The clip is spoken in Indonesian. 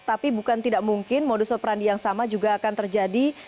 tapi bukan tidak mungkin modus operandi yang sama juga akan terjadi